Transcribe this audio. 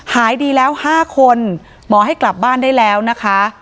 หายดีแล้ว๕คนหมอให้กลับบ้านได้แล้วนะคะ